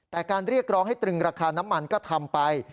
แต่การเรียกร้องให้ตรึงราคาน้ำมันก็ทำไป